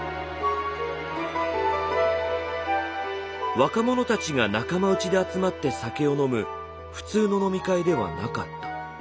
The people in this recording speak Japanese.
若者たちが仲間内で集まって酒を飲む普通の飲み会ではなかった。